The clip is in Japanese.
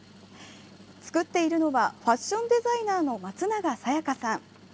作っているのはファッションデザイナーのまつながさやかさん。